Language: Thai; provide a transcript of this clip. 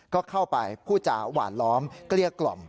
ก็เข้าไปพูดจาหวานล้อมเกลี้ยกล่อม